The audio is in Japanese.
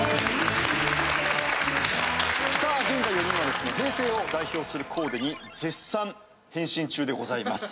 さあ現在４人はですね平成を代表するコーデに絶賛変身中でございます。